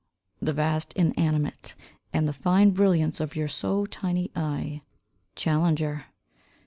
The vast inanimate, And the fine brilliance of your so tiny eye. Challenger.